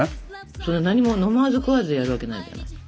それ何も飲まず食わずでやるわけないじゃない。